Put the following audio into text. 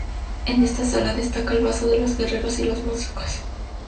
En esta sala, destaca el vaso de "Los Guerreros y los Músicos".